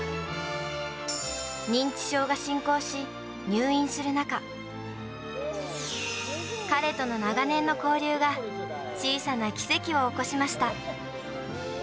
認知症が進行し、入院する中、彼との長年の交流が、小さな奇跡を起こしました。